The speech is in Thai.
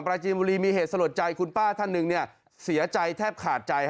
ปราจีนบุรีมีเหตุสลดใจคุณป้าท่านหนึ่งเสียใจแทบขาดใจ